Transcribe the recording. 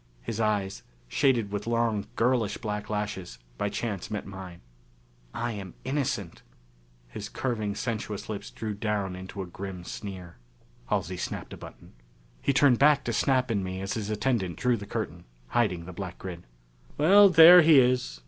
His eyes, shaded with long girlish black lashes, by chance met mine. "I am innocent." His curving sensuous lips drew down into a grim sneer.... Halsey snapped a button. He turned back to Snap and me as his attendant drew the curtain, hiding the black grid. "Well, there he is.